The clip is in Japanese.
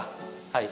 はい。